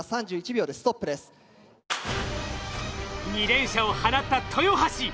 ２連射を放った豊橋。